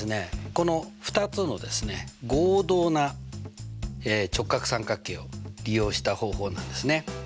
この２つの合同な直角三角形を利用した方法なんですね。